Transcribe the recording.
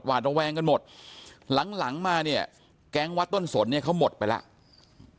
ระแวงกันหมดหลังหลังมาเนี่ยแก๊งวัดต้นสนเนี่ยเขาหมดไปแล้ว